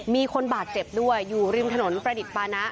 มีคนบาดเจ็บด้วยอยู่ริมถนนประดิษฐ์ปานะ